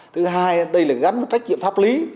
thứ hai đây là gắn trách nhiệm pháp lý